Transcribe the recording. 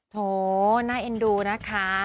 โถน่าเอ็นดูนะคะ